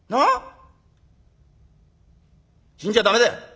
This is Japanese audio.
死んじゃ駄目だ。